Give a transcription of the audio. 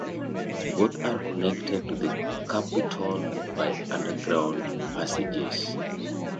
Both are connected to the Capitol by underground passages.